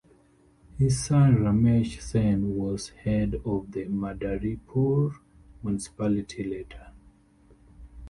His son Ramesh Sen was head of the Madaripur Municipality later.